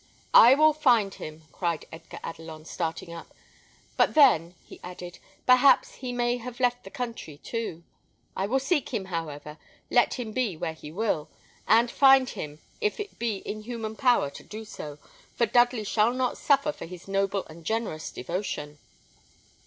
"I will find him," cried Edgar Adelon, starting up; "but then," he added, "perhaps he may have left the country too. I will seek him, however, let him be where he will, and find him if it be in human power to do so, for Dudley shall not suffer for his noble and generous devotion."